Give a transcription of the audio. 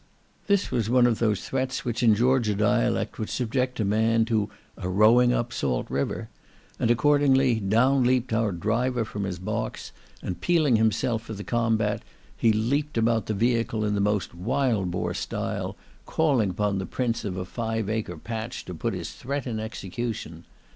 This was one of those threats which in Georgia dialect would subject a man to "a rowing up salt river;" and, accordingly, down leaped our driver from his box, and peeling himself for the combat, he leaped about the vehicle in the most wild boar style, calling upon the prince of a five acre patch to put his threat in execution.